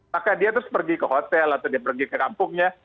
maka dia terus pergi ke hotel atau dia pergi ke kampungnya